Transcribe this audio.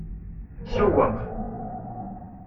Sewweq.